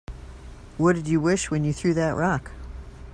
What'd you wish when you threw that rock?